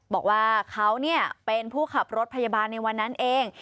บอกว่าเขาเป็นผู้ขับรถพยาบาลในวันนั้นเอง